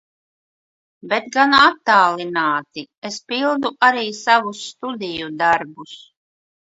Bet gan attālināti, es pildu arī savus studiju darbus.